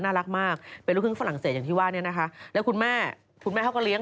เป็นลูกครึ่งฝรั่งเศสอย่างที่ว่าแล้วคุณแม่เขาก็เลี้ยง